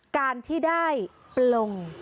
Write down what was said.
การที่ได้ปลง